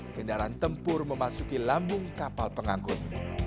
kendaraan tempur memasuki lambung kapal pengangkut